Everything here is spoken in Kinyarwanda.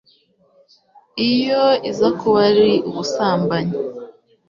iyo iza kuba ari ubusambanyi